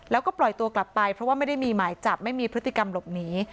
แล้วก็ปล่อยตัวกลับไปเพราะว่าไม่ได้มีหมายจับไม่มีพฤติกรรมหลบหนี